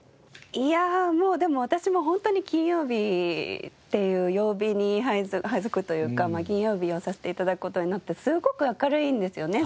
いやもうでも私もホントに金曜日っていう曜日に配属というか金曜日をさせて頂く事になってすごく明るいんですよね